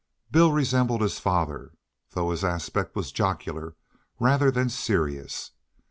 Bill resembled his father, though his aspect was jocular rather than serious.